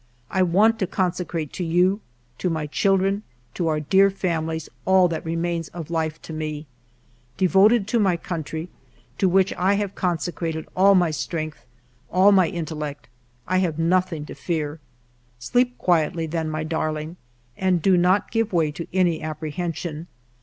I want to consecrate to you, to my children, to our dear families, all that remains of life to me. Devoted to my country, to which I have consecrated all my strength, all my intellect, I have nothing to fear. Sleep quietly then, my darling, and do not give way to any apprehension.